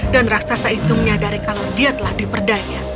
dan raksasa itu menyadari kalau dia telah diperdaya